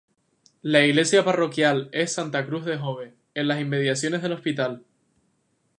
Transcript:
La iglesia parroquial es Santa Cruz de Jove, en las inmediaciones del Hospital.